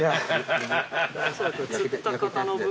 釣った方の分。